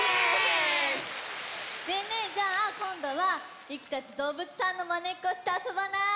ねえねえじゃあこんどはゆきたちどうぶつさんのまねっこしてあそばない？